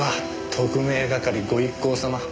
特命係ご一行様。